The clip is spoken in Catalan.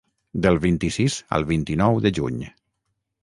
Del vint-i-sis al vint-i-nou de juny.